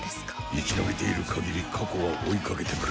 生き延びている限り過去は追いかけてくる。